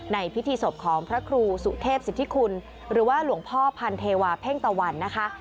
ในพิธีศพของพระครูสุเทพสิทธิคุณหรือว่าหลวงพ่อพันเทวาเพ่งตะวันนะคะ